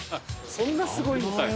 そんなすごいんですか。